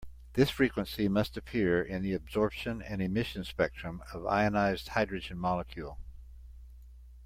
This frequency must appear in the absorption and emission spectrum of ionized hydrogen molecule.